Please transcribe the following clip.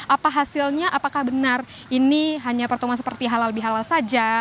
apa hasilnya apakah benar ini hanya pertemuan seperti halal bihalal saja